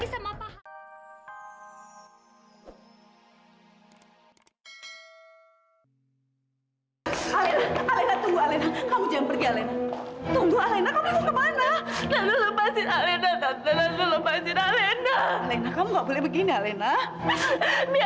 sekali kali jangan ketemu lagi sama pa